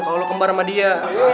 kalo lo kembar sama dia